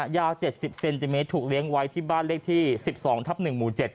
ยาว๗๐เซนติเมตรถูกเลี้ยงไว้ที่บ้านเลขที่๑๒ทับ๑หมู่๗